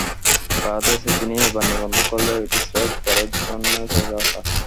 ব্রাদার্সে তিনি এবার নিবন্ধন করলেও এটি স্রেফ করার জন্যই করে রাখা।